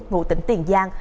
ngụ tỉnh tiền giang